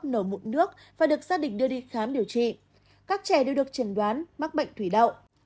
mổ mụn nước và được gia đình đưa đi khám điều trị các trẻ đều được chẩn đoán mắc bệnh thủy đậu